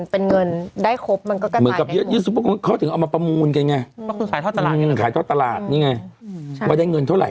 เป็นเงินได้ครบมันก็เหมือนกับยกยุทธศุปรุงเขาถึงเอามาประมูลกันไง